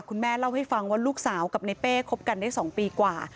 คุณแม่เล่าให้ฟังว่าลูกสาวกับในเป้คบกันได้๒ปีกว่า